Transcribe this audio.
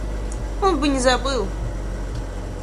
Он бы не забыл.